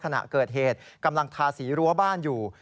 ขณะเกิดเหตุกำลังทาสีรั้วบ้านอยู่